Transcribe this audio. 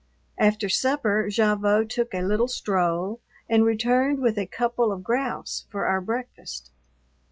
After supper Gavotte took a little stroll and returned with a couple of grouse for our breakfast.